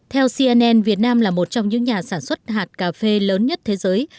theo cnn việt nam là một trong những nhà sản xuất hạt cà phê lớn nhất thế giới